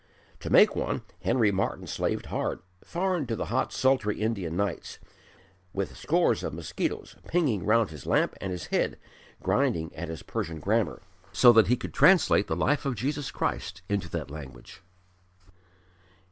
To make one Henry Martyn slaved hard, far into the hot, sultry Indian nights, with scores of mosquitoes "pinging" round his lamp and his head, grinding at his Persian grammar, so that he could translate the life of Jesus Christ into that language.